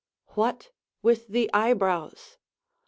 What with the eyebrows?